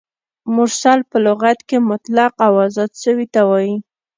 مرسل په لغت کښي مطلق او آزاد سوي ته وايي.